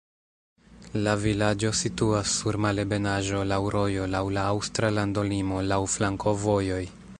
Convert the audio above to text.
La vilaĝo situas sur malebenaĵo, laŭ rojo, laŭ la aŭstra landolimo, laŭ flankovojoj.